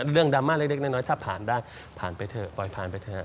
ดราม่าเล็กน้อยถ้าผ่านได้ผ่านไปเถอะปล่อยผ่านไปเถอะ